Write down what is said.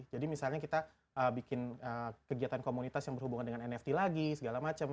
jadi misalnya kita bikin kegiatan komunitas yang berhubungan dengan nft lagi segala macam